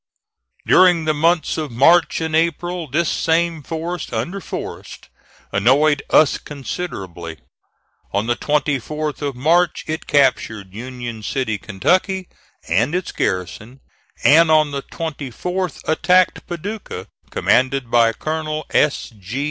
During the months of March and April this same force under Forrest annoyed us considerably. On the 24th of March it captured Union City, Kentucky, and its garrison, and on the 24th attacked Paducah, commanded by Colonel S. G.